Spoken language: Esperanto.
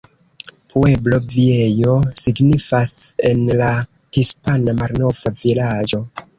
Pueblo Viejo signifas en la hispana "Malnova vilaĝo".